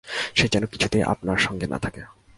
সে যেন কিছুতেই আপনার সঙ্গে না থাকে।